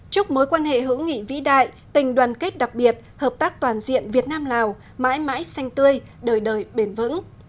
chúc mối quan hệ hữu nghị vĩ đại tình đoàn kết đặc biệt hợp tác toàn diện việt nam lào mãi mãi xanh tươi đời đời bền vững